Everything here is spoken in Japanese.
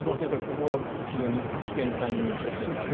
ここが非常に危険なタイミングの１つであると。